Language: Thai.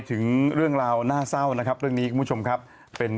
ถึงเรื่องราวน่าเศร้านะครับเรื่องนี้คุณผู้ชมครับเป็น